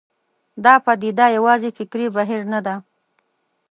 دا پدیده یوازې فکري بهیر نه ده.